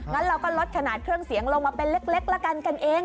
งั้นเราก็ลดขนาดเครื่องเสียงลงมาเป็นเล็กละกันกันเอง